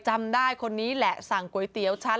จำได้คนนี้แหละสั่งก๋วยเตี๋ยวฉัน